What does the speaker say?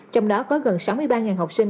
trong đó có gần sáu mươi ba học sinh